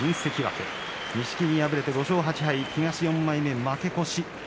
錦木敗れて５勝８敗、負け越し。